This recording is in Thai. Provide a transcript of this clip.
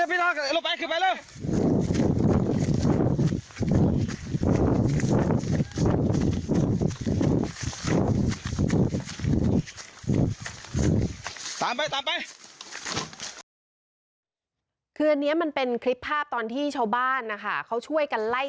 คืออันนี้มันเป็นคลิปภาพตอนที่ชาวบ้านนะคะเขาช่วยกันไล่